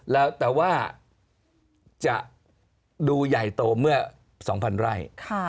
แล้วแต่ว่าจะดูใหญ่โตเมื่อ๒๐๐๐ไร่